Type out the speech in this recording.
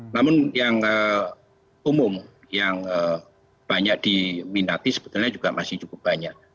namun yang umum yang banyak diminati sebetulnya juga masih cukup banyak